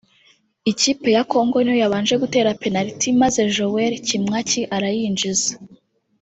Ikipe ya Congo niyo yabanje gutera Penaliti maze Joel Kimwaki arayinjiza